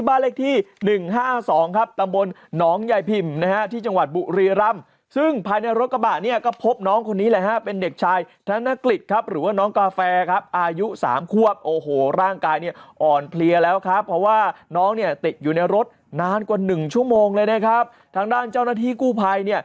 บ้านเลขที่หนึ่งห้าสองครับตำบลหนองยายพิมนะฮะที่จังหวัดบุรีรำซึ่งภายในรถกระบะเนี่ยก็พบน้องคนนี้แหละฮะเป็นเด็กชายธนกฤษครับหรือว่าน้องกาแฟครับอายุสามควบโอ้โหร่างกายเนี่ยอ่อนเพลียแล้วครับเพราะว่าน้องเนี่ยติดอยู่ในรถนานกว่าหนึ่งชั่วโมงเลยนะครับทางด้านเจ้าหน้าที่กู้ภัยเนี่ย